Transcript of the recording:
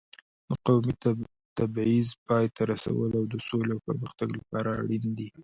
د قومي تبعیض پای ته رسول د سولې او پرمختګ لپاره اړین دي.